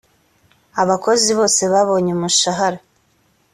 abakozi bose babonye umushahara